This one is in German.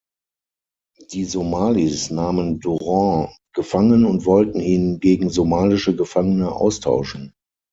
Die Somalis nahmen Durant gefangen und wollten ihn gegen somalische Gefangene austauschen.